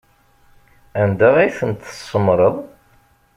Anda ay tent-tsemmṛeḍ?